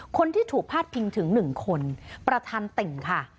คนที่ถูกพาดพิงถึง๑คนประธานติ่งค่ะ